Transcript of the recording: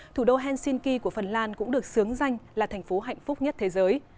thủ đô helsinki của phần lan cũng được xướng danh là thành phố hạnh phúc nhất thế giới